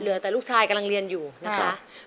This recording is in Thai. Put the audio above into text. เหลือแต่ลูกชายกำลังเรียนอยู่นะคะ